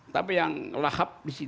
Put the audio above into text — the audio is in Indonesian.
tapi yang lahap disitu